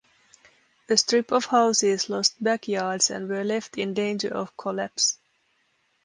A strip of houses lost backyards and were left in danger of collapse.